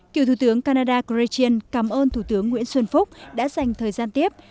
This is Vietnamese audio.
kiều thủ tướng canada gretchen cảm ơn thủ tướng nguyễn xuân phúc đã dành thời gian tiếp